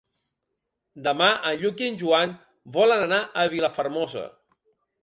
Demà en Lluc i en Joan volen anar a Vilafermosa.